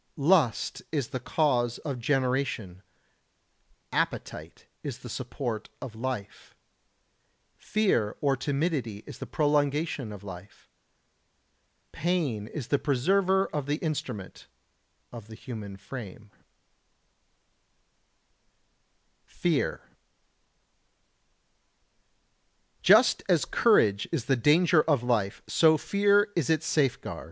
84. Lust is the cause of generation. Appetite is the support of life. Fear or timidity is the prolongation of life. Pain is the preserver of the instrument (of the human frame). [Sidenote: Fear] 85. Just as courage is the danger of life, so is fear its safeguard.